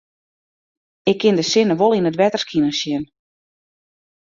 Ik kin de sinne wol yn it wetter skinen sjen.